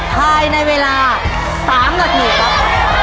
ภายในเวลา๓นาทีครับ